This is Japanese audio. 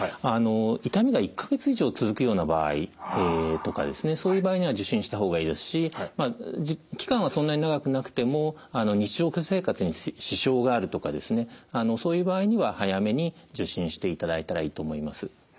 痛みが１か月以上続くような場合とかそういう場合には受診した方がいいですし期間はそんなに長くなくても日常生活に支障があるとかですねそういう場合には早めに受診していただいたらいいと思います。